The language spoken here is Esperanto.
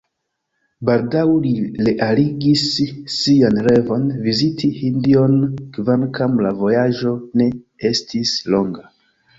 Baldaŭ li realigis sian revon – viziti Hindion, kvankam la vojaĝo ne estis longa.